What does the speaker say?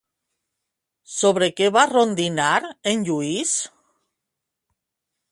Sobre què va rondinar en Lluís?